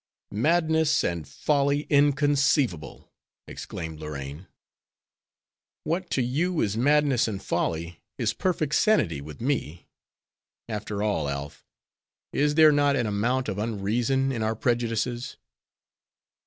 "Madness and folly inconceivable!" exclaimed Lorraine. "What to you is madness and folly is perfect sanity with me. After all, Alf, is there not an amount of unreason in our prejudices?"